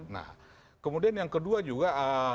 nah kemudian yang kedua juga